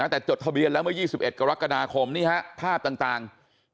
แต่จดทะเบียนแล้วเมื่อ๒๑กรกฎาคมนี่ฮะภาพต่าง